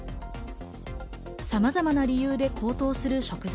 さまざまな理由で高騰する食材。